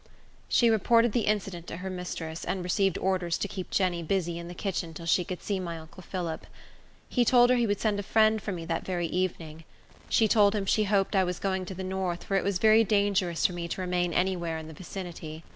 She reported the incident to her mistress, and received orders to keep Jenny busy in the kitchen till she could see my uncle Phillip. He told her he would send a friend for me that very evening. She told him she hoped I was going to the north, for it was very dangerous for me to remain any where in the vicinity.